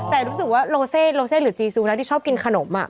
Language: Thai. แต่รู้สึกว่าโลเซโลเซหรือจีซูแล้วที่ชอบกินขนม